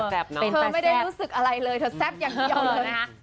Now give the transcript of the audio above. เธอไม่ได้รู้สึกอะไรเลยเธอแซ่บอย่างเดียวเลยนะคะ